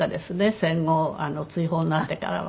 戦後追放になってからは。